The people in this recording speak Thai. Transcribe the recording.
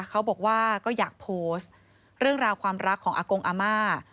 เขาบอกว่าก็อยากโพสต์เรื่องราวความรักของอากงอาม่า